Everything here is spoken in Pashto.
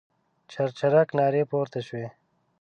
چرچرک نارې پورته شوې.